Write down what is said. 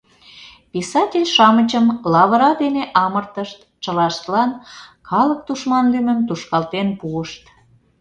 «Писатель-шамычым лавыра дене амыртышт, чылаштлан «калык тушман» лӱмым тушкалтен пуышт.